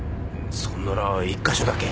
そんなら１か所だけ。